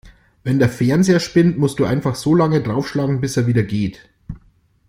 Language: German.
Wenn der Fernseher spinnt, musst du einfach so lange draufschlagen, bis er wieder geht.